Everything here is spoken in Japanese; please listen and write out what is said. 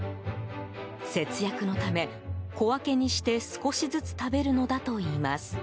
節約のため、小分けにして少しずつ食べるのだといいます。